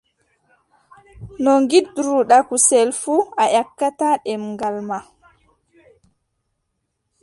No ngiɗruɗaa kusel fuu, a yakkataa ɗemngal maa.